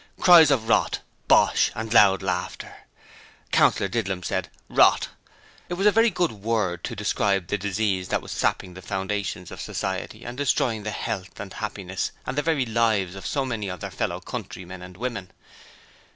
(Cries of 'Rot', 'Bosh', and loud laughter.) Councillor Didlum said, 'Rot'. It was a very good word to describe the disease that was sapping the foundations of society and destroying the health and happiness and the very lives of so many of their fellow countrymen and women.